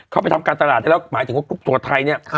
ไปทำการตลาดได้แล้วหมายถึงว่ากรุ๊ปทัวร์ไทยเนี่ย